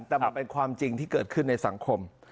แต่มันเป็นความจริงที่เกิดขึ้นในสังคม